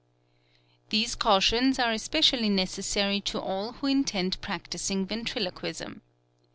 These cautions are especially necessary to all who intend prac ticing Ventriloquism.